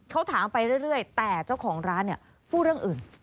เขาถามไปเรื่อยแต่เจ้าของร้านเนี่ยพูดเรื่องอื่น